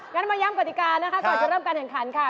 งั้นมาย่มกฎิการก่อนจะเริ่มการแห่งขันค่ะ